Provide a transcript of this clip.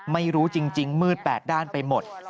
ไม่รู้จริงมืด๘ด้านไปหมด